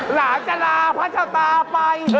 หลานจะลาพระเจ้าตาไป